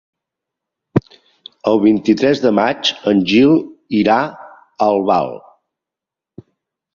El vint-i-tres de maig en Gil irà a Albal.